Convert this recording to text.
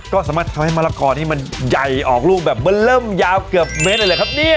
ก็สามารถทำให้มะละกอนี่มันใหญ่ออกลูกแบบเบอร์เริ่มยาวเกือบเมตรเลยแหละครับเนี่ย